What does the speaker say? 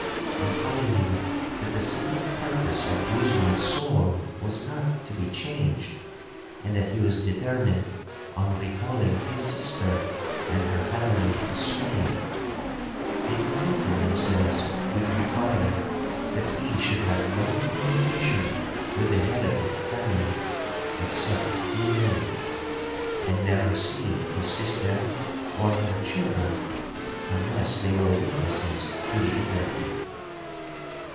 And finding that the settled purpose of Guzman's soul was not to be changed, and that he was determined on recalling his sister and her family to Spain, they contented themselves with requiring that he should have no communication with the heretic family, except through them,—and never see his sister or her children unless they were witnesses to the interview.